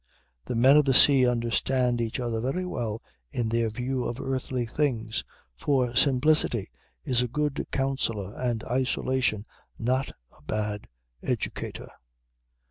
The men of the sea understand each other very well in their view of earthly things, for simplicity is a good counsellor and isolation not a bad educator.